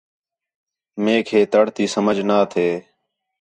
میک ہے تَڑ تی سمجھ نا تھے